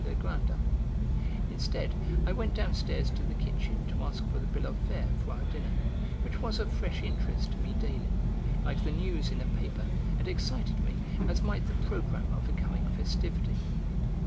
Legrandin; instead, I went downstairs to the kitchen to ask for the bill of fare for our dinner, which was of fresh interest to me daily, like the news in a paper, and excited me as might the programme of a coming festivity.